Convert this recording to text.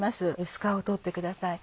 薄皮を取ってください。